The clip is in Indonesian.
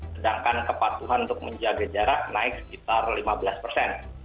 sedangkan kepatuhan untuk menjaga jarak naik sekitar lima belas persen